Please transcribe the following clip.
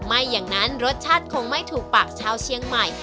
ไม่อย่างนั้นรสชาติคงไม่ถูกปากชาวเชียงใหม่